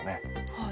はい。